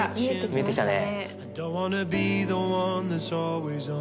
見えてきたね。